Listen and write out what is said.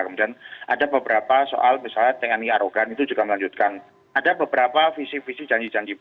kemudian ada beberapa soal misalnya tni arogan itu juga melanjutkan kemudian ada beberapa soal misalnya tni arogan itu juga melanjutkan